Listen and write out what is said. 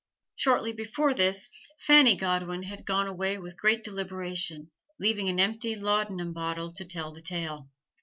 Shortly before this, Fanny Godwin had gone away with great deliberation, leaving an empty laudanum bottle to tell the tale.